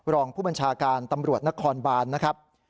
รองผู้บัญชาการตำรวจนครบานนะครับ